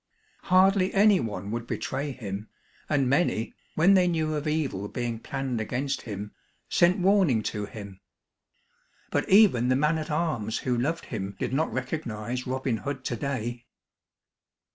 Hardly any one would betray him, and many, when they knew of evil being planned against him, sent warning to him. But even the man at arms who loved him did not recognize Robin Hood today.